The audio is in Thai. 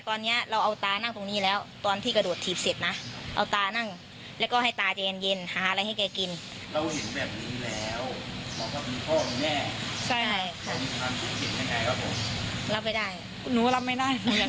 เพราะว่าหนูถามตาแกอยู่ตาแกบอกว่าอยากให้มีคนพาลูกไปรักษา